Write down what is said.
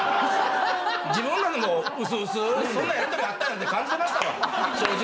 自分らでもうすうすそんなやりとりあったんやって感じてましたわ正直。